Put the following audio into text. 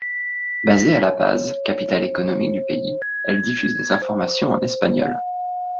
Basée à La Paz, capitale économique du pays, elle diffuse des informations en espagnol.